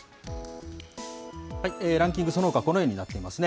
ランキング、そのほかこのようになっていますね。